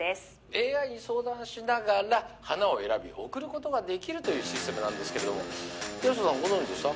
ＡＩに相談しながら花を選び贈ることができるというシステムなんですけれども八代さんご存じでした？